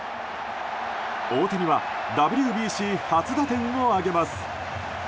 大谷はＷＢＣ初打点を挙げます。